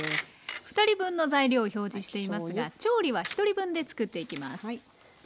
２人分の材料を表示していますが調理は１人分で作っていきます。